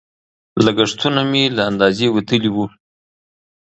لګښتونه مې له اندازې وتلي وو.